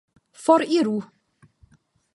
foriru